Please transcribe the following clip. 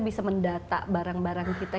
bisa mendata barang barang kita